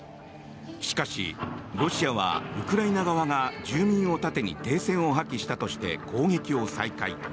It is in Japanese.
しかし、ロシアはウクライナ側が住民を盾に停戦を破棄したとして攻撃を再開。